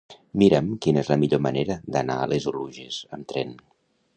Mira'm quina és la millor manera d'anar a les Oluges amb tren.